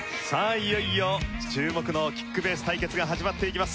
いよいよ注目のキックベース対決が始まっていきます。